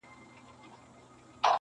• څوک چي دښمن وي د هرات هغه غلیم د وطن -